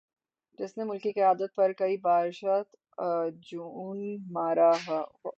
جس نے ملکی قیادت پر کئی بار شب خون مارا ہو